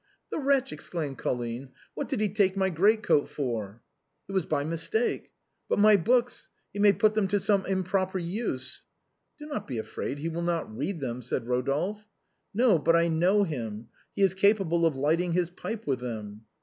" The wretch !" exclaimed Colline, " what did he take my greatcoat for ?"" It was by mistake." " But my books. He may put them to some improper purpose." " Do not be afraid, he will not read them/' said Eo dolphe. " No, but I know him ; he is capable of lighting his pipe with them."